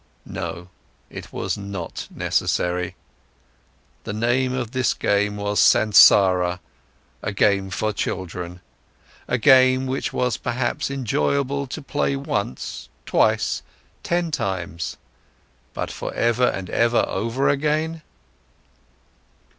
No, it was not necessary! The name of this game was Sansara, a game for children, a game which was perhaps enjoyable to play once, twice, ten times—but for ever and ever over again?